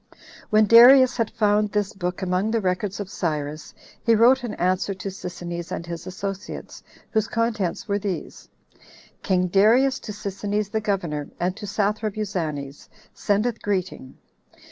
7. When Darius had found this book among the records of Cyrus, he wrote an answer to Sisinnes and his associates, whose contents were these: "King Darius to Sisinnes the governor, and to Sathrabuzanes, sendeth greeting.